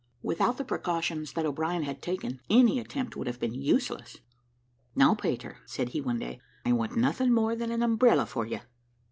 Without the precautions that O'Brien had taken, any attempt would have been useless. "Now, Peter," said he one day, "I want nothing more than an umbrella for you."